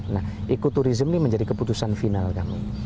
nah ikuturism ini menjadi keputusan final kami